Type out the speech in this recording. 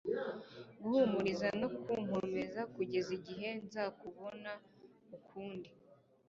guhumuriza no kunkomeza kugeza igihe nzakubona ukundi